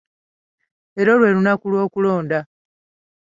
Leero lwe lunaku lw'okulonda.